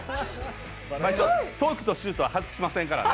トークとシュートは外しませんからね。